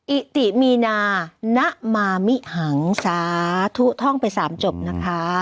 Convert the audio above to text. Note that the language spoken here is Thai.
อิติมีนาณมามิหังสาธุท่องไป๓จบนะคะ